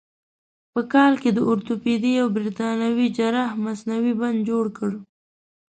په کال کې د اورتوپیدي یو برتانوي جراح مصنوعي بند جوړ کړ.